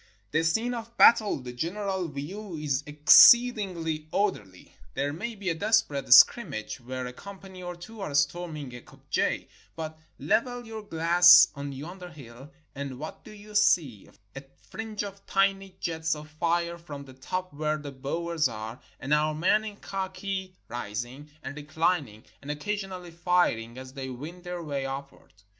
The scene of battle — the general view — is exceed ingly orderly. There may be a desperate scrimmage where a company or two are storming a Kopje, but level your glass on yonder hill, and what do you see — a fringe of tiny jets of fire from the top where the Boers are, and our men in Khaki rising, and recHning, and occasionally firing, as they win their way upward.